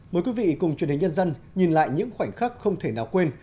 mời quý vị cùng truyền hình nhân dân nhìn lại những khoảnh khắc không thể nào quên